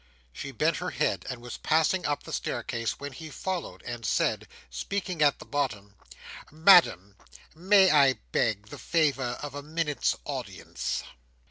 She bent her head, and was passing up the staircase, when he followed and said, speaking at the bottom: "Madam! May I beg the favour of a minute's audience?"